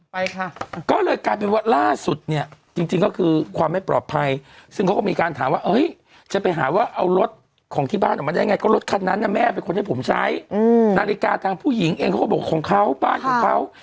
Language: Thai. ไปค่ะก็เลยกลายเป็นว่าล่าสุดเนี่ยจริงจริงก็คือความไม่ปลอดภัยซึ่งเขาก็มีการถามว่าเฮ้ยจะไปหาว่าเอารถของที่บ้านออกมาได้ไงก็รถคันนั้นน่ะแม่เป็นคนให้ผมใช้อืมนาฬิกาทางผู้หญิงเองเขาก็บอกของเขาบ้านของเขา